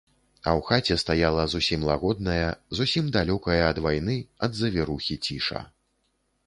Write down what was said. А ў хаце стаяла зусім лагодная, зусім далёкая ад вайны, ад завірухі ціша.